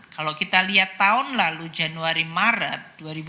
kalau kita lihat tahun lalu januari maret